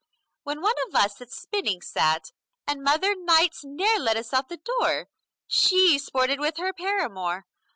When one of us at spinning sat, And mother, nights, ne'er let us out the door She sported with her paramour.